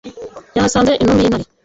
yahasanze intumbi y’intare